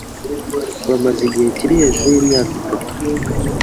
Bamaze igihe kiri hejuru y'imyaka itatu